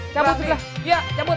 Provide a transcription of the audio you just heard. cabut ya cabut